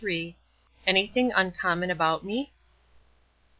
"ANYTHING UNCOMMON ABOUT ME?"